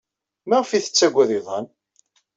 Maɣef ay tettaggad iḍan?